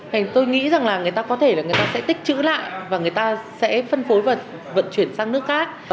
nên tôi nghĩ rằng là người ta có thể là người ta sẽ tích chữ lại và người ta sẽ phân phối và vận chuyển sang nước khác